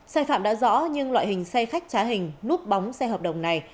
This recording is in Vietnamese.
sai phạm đã rõ nhưng loại hình xe khách trá hình núp bóng xe hợp đồng này